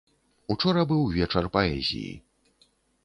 Учора быў вечар паэзіі.